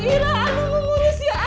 ira aku mau ngurus ya